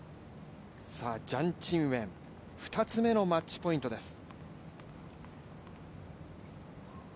ジャン・チンウェン、２つ目のマッチポイントです。